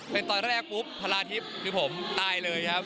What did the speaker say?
เป็นตอนแรกปุ๊บพลาทิพย์คือผมตายเลยครับ